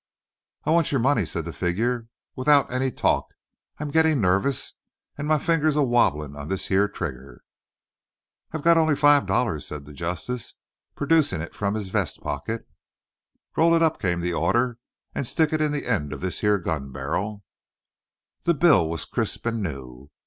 "I want yo' money," said the figure, "'thout any talk. I'm gettin' nervous, and my finger's a wabblin' on this here trigger." "I've only got f f five dollars," said the Justice, producing it from his vest pocket. "Roll it up," came the order, "and stick it in the end of this here gun bar'l." The bill was crisp and new.